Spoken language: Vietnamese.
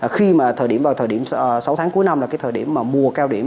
khi mà thời điểm vào thời điểm sáu tháng cuối năm là cái thời điểm mà mùa cao điểm